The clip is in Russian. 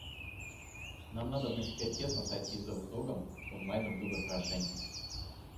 Нам надобно теперь тесно сойтись друг с другом, узнать друг друга хорошенько.